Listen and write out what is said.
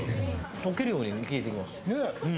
溶けるように消えていきます。